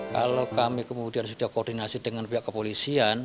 kalau kami kemudian sudah koordinasi dengan pihak kepolisian